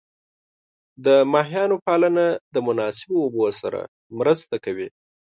د ماهیانو پالنه د مناسب اوبو سره مرسته کوي.